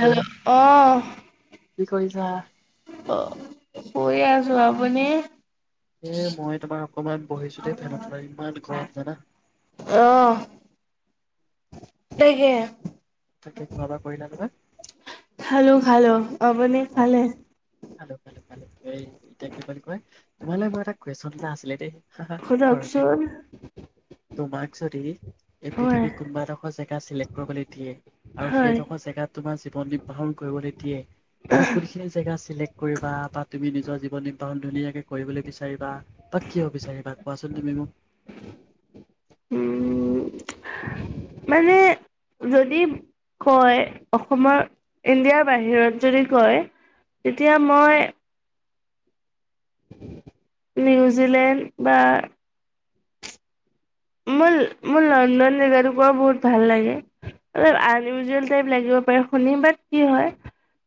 Hello আহ কি কৰিছা অ শুই আছো আপুনি এ মই তোমাৰ অকমান বহিছো দেই ফেনত ইমান গৰম জানা। অ', তাকে তাকে কোৱা খোৱা বোৱা কৰিলা নে? খালো খালো' আপুনি খালে? ভাল ভাল ভাল এই এতিয়া কি বুলি কয় তোমালৈ মই এটা কুৱেশন া আছিলে দে হ সোধকচোন? তোমাক যদি এই হয়। পৃথিৱীত কোনোবা এডোখৰ জেগা চিলেক্ট কৰিবলৈ দিয়ে আৰু হয়, সেইডোখৰ জেগাত তোমাৰ জীৱন নিৰ্বাহন কৰিবলৈ দিয়ে তুমি কোনখিন জেগা চিলেক্ট কৰিবা বা তুমি নিজৰ জীৱন ধুনীয়াকে কৰিবলৈ বিচাৰিবা। তাত কিয় বিচাৰিবা কোৱাচোন? তুমি মোক। উ মানে যদি কয় অসমৰ ইণ্ডিয়াৰ বাহিৰত যদি কয় তেতিয়া মই নিউজিলেণ্ড বা মোৰ-মোৰ লণ্ডন জেগাটোকোৰা বহুত ভাল লাগে। অলপ আনইউজুৱেল টাইপ লাগিব পাৰে শুনি বাত কি হয়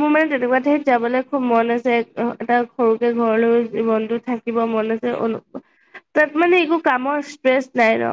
মোৰ মানে তেনেকুৱা ঠাইত যাবলৈ খুব মন আছে। এটা সৰুকে ঘৰলৈ জীৱনটো থাকিব মন আছে। তাত মানে একো কামৰ ষ্ট্ৰেছ নাই ন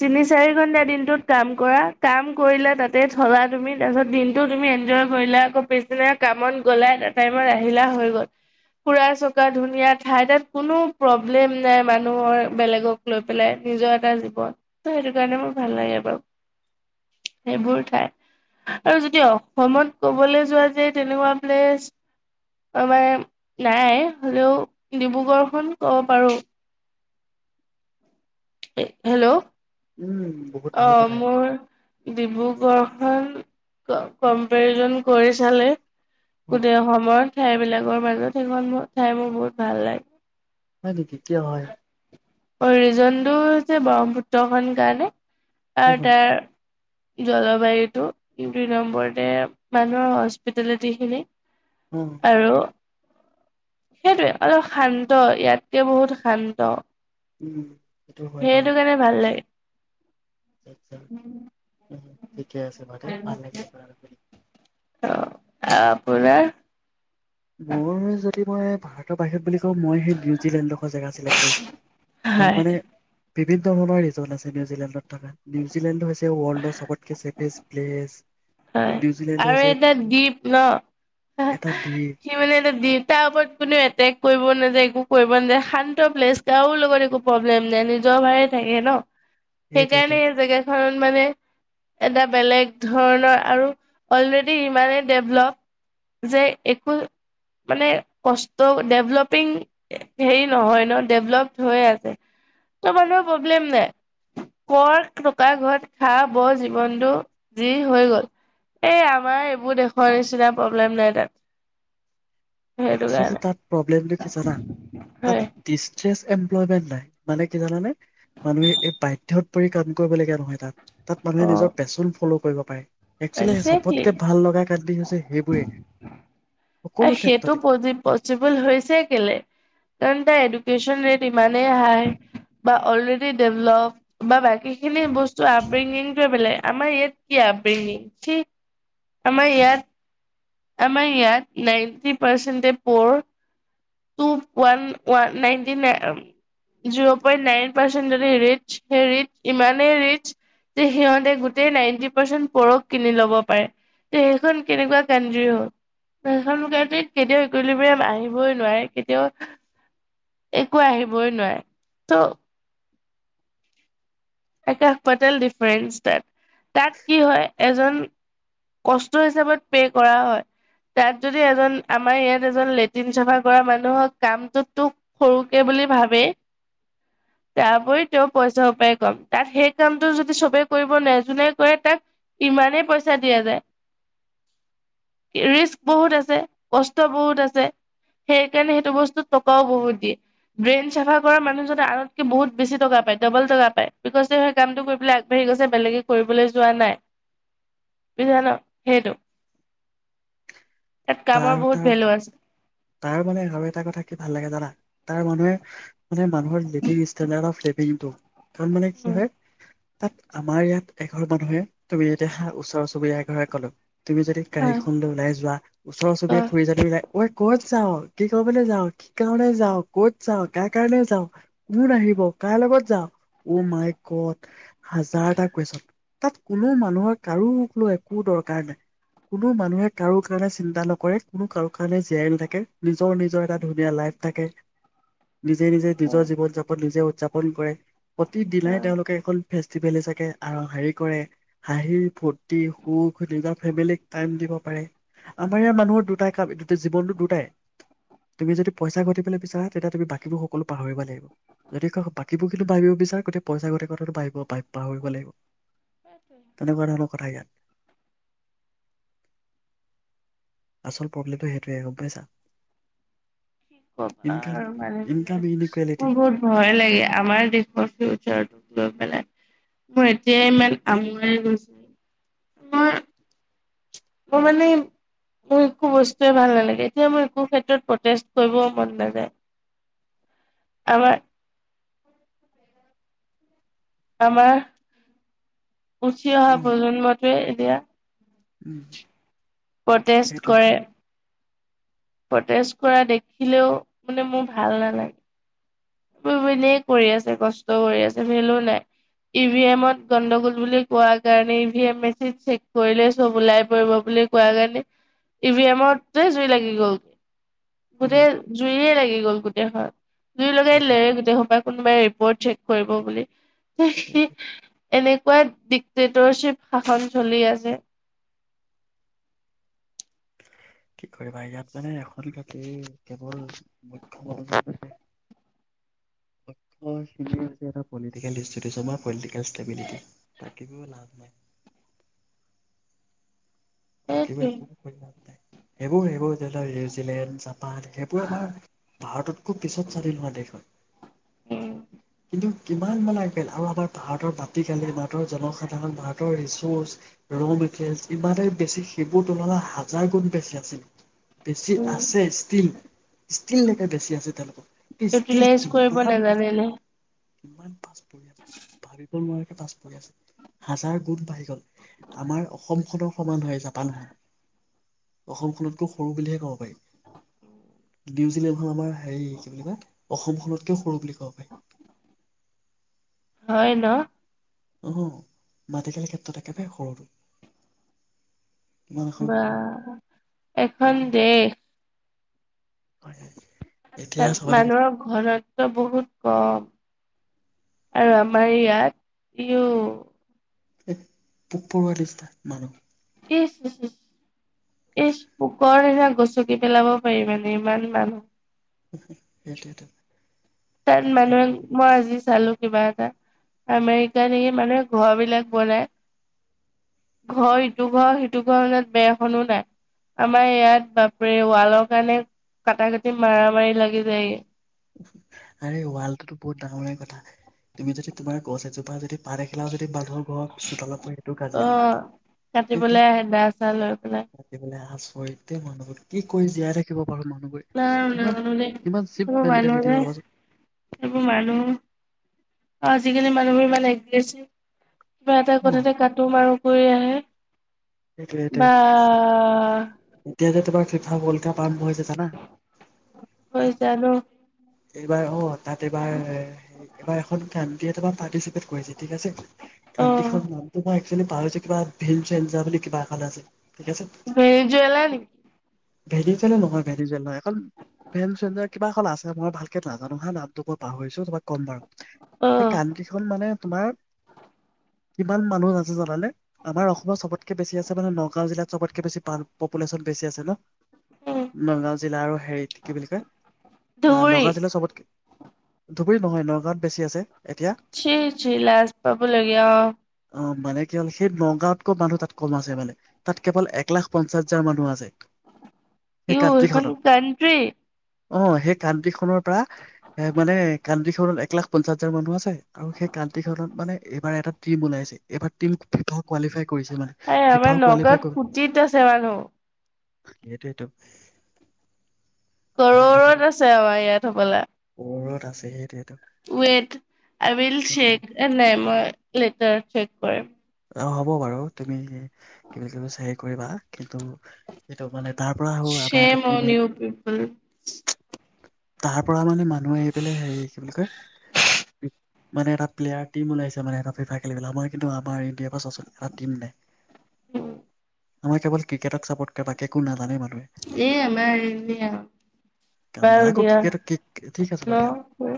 তিনি চাৰি ঘন্টা দিনটোত কাম কৰা কাম কৰিলা তাতে থলা তুমি তাৰপিছত দিনটো তুমি এনজয় কৰিলা আকৌ পিছদিনা কামত গ'লা এটা টাইমত আহিলা হৈ গ'ল। ফুৰা চকা ধুনীয়া ঠাই তাত কোনো প্ৰব্লেম নাই মানুহৰ বেলেগক লৈ পেলাই। নিজৰ এটা জীৱন ত সেইটো কাৰণে মোৰ ভাল লাগে বাৰু সেইবোৰ ঠাই আৰু যদি অসমত কবলৈ যোৱা যে তেনেকুৱা প্লেছ মানে নাই হলেও ডিব্ৰুগড়খন কব পাৰো। হেল্ল'। উম বহুত অ ভাল কথা সেইটো মোৰ ডিব্ৰুগড় কাৰণ কম্পেৰিজন কৰি চালে হয় গোটেই অসমত ঠাই বিলাকৰ মাজত সেইখন মোৰ ঠাই মোৰ বহুত ভাল লাগে। হয় নিকি? কিয় হয়? অ ৰিজনটো হৈছে ব্ৰহ্মপুত্ৰ খন কাৰণে অ আৰু তাৰ জলবায়ুটো দুই নম্বৰতে মানুহৰ হস্পিটেলিতিখিনি। অ আৰু সেইটোৱে অলপ শান্ত ইয়াতকে বহুত শান্ত। উম হয় বাৰু সেইটো কাৰণে ভাল লাগে। [inaudible] ঠিকে আছে বাৰু দেই। ভাল লাগিলে কথাটো শুনি। অ আপোনাৰ মোৰ যদি মই ভাৰতৰ বাহিৰত বুলি মই সেই নিউজিলেণ্ডখৰ জেগা চিলেক্ট কৰিম কাৰণ হয় মানে বিভিন্ন ধৰণৰ ৰিজন আছে নিউজিলেণ্ডত। নিউজিলেণ্ড হৈছে ওৰ্ল্ডৰ চবতকে ছেইফেষ্ট প্লেচ। হয় নিউজিলেণ্ড আৰু হৈছে এটা দীপ ন। এটা দ্বীপ মানে এটা দিপ তাৰ ওপৰত কোনেও এটেক কৰিব নাযায় একো কৰিব নাযায় শান্ত প্লেচ কাৰোৰ লগত একো প্ৰব্লেম নাই নিজৰ ভাগে থাকে ন। সেইটোৱেটো সেইকাৰণে এই জেগা কাৰণ মানে এটা বেলেগ ধৰণৰ আৰু অলৰেডি ইমানেই ডেভলপ যে, একো মানে কষ্ট ডেভলপিং হেৰি নহয় ন ডেভলপ হৈ আছে। ত' মানুহৰ প্ৰব্লেম নাই কৰ টকা ঘৰত খা ব জীৱনটো জী হৈ গ'ল। এ আমাৰ এইবোৰ দেশৰ নিচিনা প্ৰব্লেম নাই তাত সেইটো একচোৱেলী কাৰণে তাত প্ৰব্লেমটো কি জানা? হয় তাত দিষ্ট্ৰেচ এমপ্মেন্ট নাই মানে কি জানানে? মানুহে এই বাধ্যত পৰি কাম কৰিবলগীয়া নহয় তাত। তাত মানুহে অ নিজৰ পেশচন ফল' কৰিব পাৰে। একচোৱেলি একজেক্টলি চবতকে ভাল লগা [unintelligible] হৈছে সেইবোৰেই সকলো ক্ষেত তো পজি পচিবল হৈছে কেলে এডোকেচন ৰে ইমানেই হাই বা অলৰেডী ডেভলপ বা বাকীখিনি বস্তু আপিঙিংটোৱে বেলেগ আমাৰ ইয়াত কি আপিঙিং [unintelligible] আমাৰ ইয়াত আমাৰ ইয়াত নাইনটি পাৰ্চেণ্টে পৰ' [unintelligible] ninety zero point nine percent যদি ৰিচ সেই ৰি ইমানেই ৰিচ যে, সিহঁতে গোটেই নাইনটি পাৰ্চেন পৰ'ক কিনি ল'ব পাৰে তে সেইখন কেনেকুৱা কান্ট্ৰী হ'ল, সেই কেতিয়াও [unintelligible] আহিবই নোৱাৰে। কেতিয়াও একো আহিবই নোৱাৰে ত আকাশ পাতাল ডিফাৰেঞ্চ তাত। তাত কি হয়, এজন কষ্ট হিচাপত পে কৰা হয়, তাত যদি এজন আমাৰ ইয়াত এজন লেট্ৰিন চাফা কৰা মানুহক কামটোতো সৰুকে বুলি ভাবে তাৰ উপৰি তেওঁ পইচায়ো উপায় কম। তাত সেই কামটো যদি চবেই কৰিব নে নাই যোনে কৰে তাক ইমানেই পইচা দিয়া যায় ৰিস্ক বহুত আছে কষ্ট বহুত আছে সেই কাৰণে সেইটো বস্তুত টকাও বহুত দিয়ে ড্ৰেইন চাফা কৰা মানুহজননে আনতকে বহুত বেছি টকা পায় ডবল টকা পায়। বিকচ‌ তেওঁ সেই কামটো কৰিবলৈ আগবাঢ়ি গৈছে বেলেগে কৰিবলৈ যোৱা নাই বুজিলা ন? সেইটো। তাত কামৰ তাৰ বহুত তাৰ ভেলু আছে। তাৰ মানে আৰু এটা কথা কি ভাল লাগে জানা তাৰ মানুহে মানে মানুহৰ লিভিং ষ্টেণ্ডাৰ লিভিংটো। তাত মানে কি উম হয়। তাত আমাৰ ইয়াত এঘৰ মানুহে তুমি যেতিয়া হা ওচৰৰ চুবুৰীয়া এঘৰে কলো। তুমি যদি গাড়ীখন অহ ল ওলাই যোৱা ওচৰ চুবুৰীয়া [unintelligible] ত যাওঁ, কি কবলৈ যাওঁ? কি কাৰণে যাওঁ? ক'ত যাওঁ? কাৰ কাৰণে যাওঁ? কোন আহিব? কাৰ লগত যাওঁ? অ', মাই গড। হাজাৰটা কুৱেচন তাত কোনো মানুহৰ কাৰোকলৈ একো দৰকাৰ নাই কোনো মানুহে কাৰো কাৰণে চিন্তা নকৰে কোনো কাৰো কাৰণে জীয়াই নাথাকে নিজৰ, নিজৰ এটা ধুনীয়া লাইফ থাকে। নিজে, নিজে অহ নিজৰ জীৱন যাপন নিজে উদযাপন কৰে। প্ৰতিদিনাই তেওঁলোকে একল ফেষ্টিভেল চাগে আৰু হেৰি কৰে হাঁহি ফূৰ্তি সুখ নিজৰ ফেমিলিক টাইম দিব পাৰে আমাৰ ইয়াৰ মানুহৰ দুটাই কাম জীৱনটো দুটাই তুমি যদি পইচা ঘটিবলৈ বিচাৰা তেতিয়া তুমি বাকীবোৰ সকলো পাহৰিব লাগিব যদি বাকীবোৰ কিন্তু ভাবিব বিচাৰা গতিকে পইচা ঘটা কথাটো ভাবিব পা পাহৰিব লাগিব। তেনেকুৱা ধৰণৰ কথাই ইয়াত। আচল প্ৰব্লেমটো সেইটোৱে গম পাইছা। কি কবা ইনকাম আৰু মানে ইনকাম বিলাক ইনকুৱেলিটি মোৰ বহুত ভয় লাগে আমাৰ দেশৰ ফিউচাৰটোক লৈ পেলাই। মোৰ এতিয়া ইমান [unintelligible] মই মানে মোৰ একো বস্তুৱে ভাল নালাগে। তেতিয়া মোৰ একো ক্ষেত্ৰত প্ৰটেষ্ট কৰিব মন নাযায়। আমাৰ আমাৰ উঠি অ অহা প্ৰজন্মত [inaudible] উম। প্ৰটেষ্ট সেইটোৱে কৰে। প্ৰটেষ্ট কৰা দেখিলেও মানে, মোৰ ভাল নালাগে। [unintelligible] কৰি আছে কষ্ট কৰি আছে, ভেলো নাই। ‌ ই- ভি- এম ত গণ্ডগোল বুলি কোৱা কাৰনেে E- V- M machine check কৰিলে চব ওলাই পৰিব বুলি কোৱা কাৰণে ই- ভি- এম তে জুই লাগি গল গোটেই জুইয়ে লাগি গ'ল গোট [inaudible] [unintelligible] সেইটোৱে গোটেই সোপা কোনোবাই ৰিপৰ্ট চেক কৰিব বুলি। এনে কয় ডিক্টেটৰশ্বিপ শাসন চলি আছে। কি কৰিবা ইয়াত মানে [unintelligible] কেৱল মুখ্য [unintelligible] [unintelligible] পলিটিকেল [unintelligible] ষ্টেবিলিটি। তাক [unintelligible] লাভ নাই। [inaudible] [inaudible] [inaudible] সেইটোৱে। ভাৰততকৈ পিছত স্বাধীন হোৱা দেশ হয়। উম। কিন্তু কিমান মানে [unintelligible] আৰু আমাৰ ভাৰতৰ মাটি কালি, ভাৰতৰ জনসাধাৰণ ভাৰতৰ ৰিচৰ্চ, [unintelligible] ইমানেই বেছি সেইবোৰ তুলনাত হাজাৰ গুণ বেছি আছিল। বেছি আছে ষ্টীল। [unintelligible] বেছি আছে তেওঁলোকক ইউটিলাইজ কৰিব নাজানিলে। ইমান পাছ [inaudible] পাছ পৰি আছে, হাজাৰ গুণ বাঢ়ি গল। আমাৰ অসম খনৰ সমান হয় জাপানখন, অসমখনতকৈ সৰু বুলিহে ক'ব পাৰি। নিউজিলেণ্ড খন আমাৰ হেৰি কি বুলি কয়, অসমখনতকেও সৰু বুলি ক'ব পাৰি হয় ন? অ', মাটিকালি ক্ষেত্ৰত একেবাৰে সৰুতো। বা এখন দেশ। [unintelligible] এতিয়া তাত চাবলৈ মানুহৰ ঘৰতটো বহুত কম। আৰু আমাৰ ইয়াত, ইও [unintelligible] পোক-পৰুৱা নিচিনা মানুহ। [unintelligible] ইছ, পোকৰ নিছিনা গচকি পেলাব পাৰি মানে ইমান মানুহ। সেইটোৱেটো আৰু [unintelligible] চালো কিবা এটা, আমেৰিকা এই মানুহে ঘৰ বিলাক বনাই, ঘৰ ইটো ঘৰ, সিটো ঘৰ যে বেৰখনো নাই, আমাৰ ইয়াত বাপৰে ৱালৰ কাৰণে কাটা-কাটি, মাৰা-মাৰি লাগি যায়গে। [inaudible] আৰে, ৱালটোতো বহুত ডাঙৰে কথা তুমি যদি তোমাৰ গছ এজোপা যদি পাত এখিলাও যদি মানুহৰ ঘৰৰ চোতালত পৰে সেইটো কাজিয়া অ', হয়, কাটিবলৈ আহে দা চা লৈ পেলাই [unintelligible] হয়দে মানুহবোৰ, কি কৰি জীয়াই থাকিব [unintelligible] মানুহবোৰে, ইমান-ইমান চিপ [unintelligible] মেণ্টেলিটি ভাবাচোন সেইবোৰ মানুহ আজিকালি মানুহ বোৰ ইমান এগ্ৰেচিফ কিবা এটা অ কথাতে কাটো, মাৰো কৰি আহে। সেইটোৱে সেইটোৱে। বা এতিয়া যে তোমাৰ ফিফা ৱৰ্ল্ডকাপ আৰম্ভ হৈছে। জানা? হৈ তাত জানো এইবাৰ অ', তাত এইবাৰ, এইবাৰ এখন [unintelligible] এতিয়া তোমাৰ পাৰ্টিচিপেট কৰিছে। ঠিক আছে, অ', [unintelligible] নামটো। [unintelligible] [unintelligible] পাহৰিছোঁ কিবা, [unintelligible] বুলি কিবা এখন আছে। ঠিক আছে। ভেনিজুৱেলা নি? ভেনিজুৱেলা নহয়, ভেনিজুৱেলা, [unintelligible] কিবা এখন আছে মই ভালকে নাজানো হা, নামটো মই পাহৰিছো তোমাক কম বাৰু, সেই অ', কান্তিখন মানে তোমাৰ কিমান মানুহ আছে জানানে? আমাৰ অসমৰ চবত পপুলেশ্যন বেছি আছে ন। উম, নগাও জিলা আৰু হেৰিত কি বুলি কয়, অ', ধুবুৰী নগাও জিলা চবতকে ধুবুৰী নহয় নগাঁত বেছি আছে। এতিয়া চি চি লাজ পাব লগীয়া। অ মানে কি হ'ল সেই নগাঁৱতকৈ মানুহ তাত। কম আছে মানে, তাত কেৱল এক লাখ পঞ্চাশ হাজাৰ মানুহ আছে। সেই ই এইখন কান্ট্ৰিখনত। কানট্ৰি। অ' সেই কাানট্ৰি খনৰ পৰা এ মানে কানট্ৰি খনত এক লাখ পঞ্চাশ হাজাৰ মানুহ আছে আৰু সেই কানট্ৰি খনত মানে এইবাৰ এটা টিম ওলাইছে এইবাৰ টিমটো কোৱালিফাই। কৰিছে মানে এই আমাৰ ফিফাও কোৱালিফাই নগাওঁত কুটিত আছে মানুহ। এইটোৱেইতো। কৰৰত আছে আমাৰ ইয়াত হবলা। ওপৰত আছে সেইটোৱে। উয়েট আই উইল চেক এ নে মই লেটাৰ চেক কৰিম। অ হ'ব বাৰু তুমি কিবা কিবি চাই কৰিবা কিন্তু সেইটো মানে। তাৰ পৰা আহো আমাৰ শে এটা মন টিমে ইউ পিপল। তাৰ পৰা মানে মানুহে আহি পেলাই হেৰি কি বুলি কয় মানে এটা প্লেয়াৰ টিম ওলাইছে মানে এটা ফিফাইৰ খেলি পেলাই আমাৰ কিন্তু আমাৰ। বিয়েৰ পা চাচোন এটা টীম নাই। আমাৰ কেৱল ক্ৰিকেটক চাপৰ্ট কৰে বাকী একো নাজানে বাৰু। এয়া আমাৰ এই আৰু কাম নাই বাৰু আকৌ ক্ৰিকেট ঠিক আছে বাৰু দিয়া।